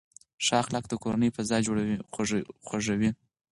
ښه اخلاق د کورنۍ فضا خوږوي.